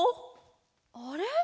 あれ？